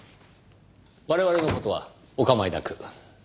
我々の事はお構いなく。